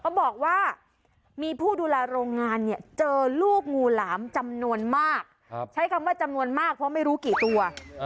บอกว่ามีผู้ดูแลโรงงานเนี่ยเจอลูกงูหลามจำนวนมากใช้คำว่าจำนวนมากเพราะไม่รู้กี่ตัว